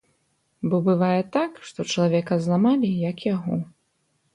Бо бывае так, што чалавека зламалі, як яго.